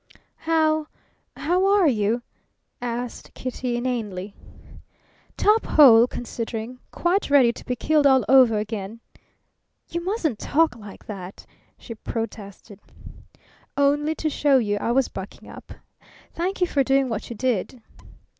"How how are you?" asked Kitty, inanely. "Top hole, considering. Quite ready to be killed all over again." "You mustn't talk like that!" she protested. "Only to show you I was bucking up. Thank you for doing what you did."